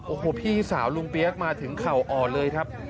โอ้โหพี่สาวลุงเปี๊ยกมาถึงเข่าอ่อนเลยครับ